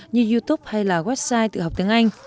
như youtube hay là website tự học tiếng anh